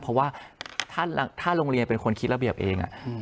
เพราะว่าถ้าโรงเรียนเป็นคนคิดระเบียบเอง